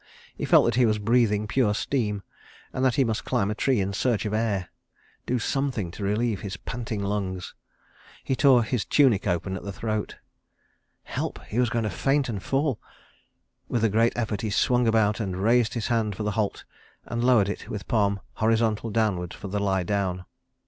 He felt that he was breathing pure steam, and that he must climb a tree in search of air—do something to relieve his panting lungs. ... He tore his tunic open at the throat. ... Help! he was going to faint and fall. ... With a great effort he swung about and raised his hand for the "halt" and lowered it with palm horizontal downward for the "lie down."